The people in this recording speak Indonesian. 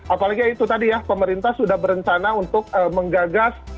apalagi itu tadi ya pemerintah sudah berencana untuk menggagas